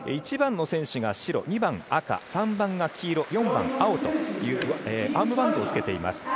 １番の選手が白２番赤、３番黄色、４番青とアームバンドをつけています。